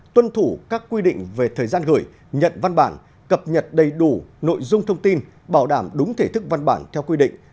tuân thủ các quy định về thời gian gửi nhận văn bản cập nhật đầy đủ nội dung thông tin bảo đảm đúng thể thức văn bản theo quy định